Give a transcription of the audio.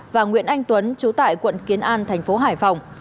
và nguyễn anh tuấn trú tại quận kiến an thành phố hải phòng